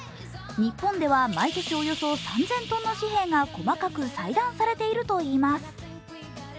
日本では毎年およそ３０００ｔの紙幣が細かく細断されているといいます。